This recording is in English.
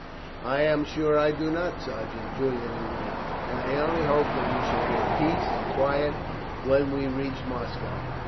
"I am sure I do not, sergeant," Julian agreed; "and I only hope that we shall get peace and quiet when we reach Moscow."